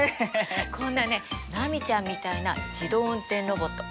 こんなね波ちゃんみたいな自動運転ロボット